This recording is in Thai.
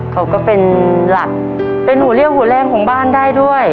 เขาก็เป็นหลักเป็นหัวเลี่ยวหัวแรงของบ้านได้ด้วย